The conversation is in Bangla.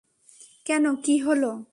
কেন, কি হলো?